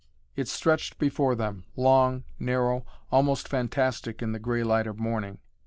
It stretched before them, long, narrow, almost fantastic in the grey light of morning.